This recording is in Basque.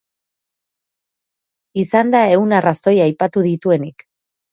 Izan da ehun arrazoi aipatu dituenik.